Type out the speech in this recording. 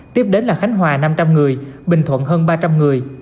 tiếp đến là khánh hòa năm trăm linh người bình thuận hơn ba trăm linh người